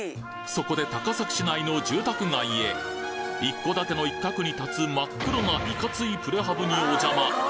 そこで高崎市内の住宅街へ一戸建ての一角に建つ真っ黒なにお邪魔。